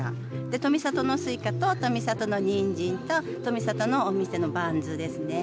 富里のスイカと富里のニンジンと、富里のお店のバンズですね。